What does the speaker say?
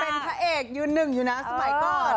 เป็นพระเอกยืนหนึ่งอยู่นะสมัยก่อน